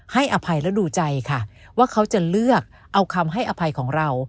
อภัยและดูใจค่ะว่าเขาจะเลือกเอาคำให้อภัยของเรา